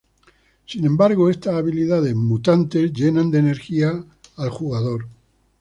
Sin embargo, estas habilidades mutantes llenan de energía al jugador.